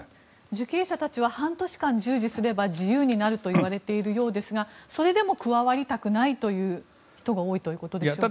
受刑者たちは半年間、従事すれば自由になるといわれているようですがそれでも加わりたくないという人が多いということでしょうか。